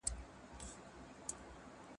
ژوند د اور د لمبې په څېر دی.